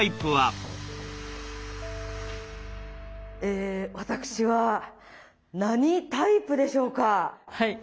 果たして私は何タイプでしょうか？